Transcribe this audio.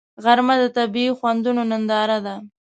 غرمه د طبیعي خوندونو ننداره ده